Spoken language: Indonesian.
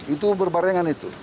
itu berbarengan itu